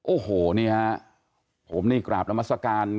โอโหผมนี่กราบน้ำมสกาล